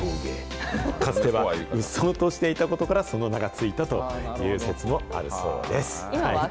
かつてはうっそうとしていたことから、その名が付いたという説もあるそうです。